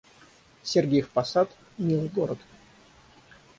Сергиев Посад — милый город